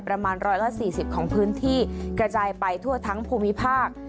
ประมาณร้อยละสี่สิบของพื้นที่กระจายไปทั่วทั้งภูมิภาค